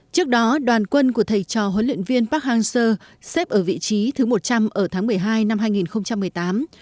trước đó đoàn quân của thầy trò huấn luyện viên park hang seo xếp ở vị trí thứ một trăm linh ở tháng một mươi hai năm hai nghìn một mươi tám